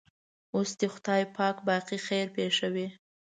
اوس دې خدای پاک باقي خیر پېښوي.